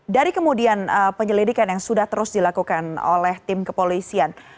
dari kemudian penyelidikan yang sudah terus dilakukan oleh tim kepolisian